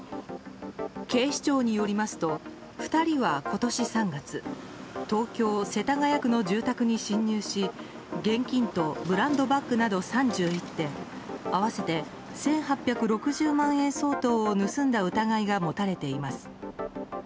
警視庁によりますと２人は今年３月東京・世田谷区の住宅に侵入し現金とブランドバックなど３１点合わせて１８６０万円相当を盗んだ疑いが持たれています。